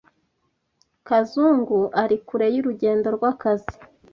Kazungu ari kure y'urugendo rw'akazi.